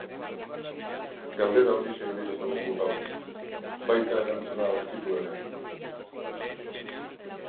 Galdera horixe ibili dugu gaur, baita erantzuna aurkitu ere.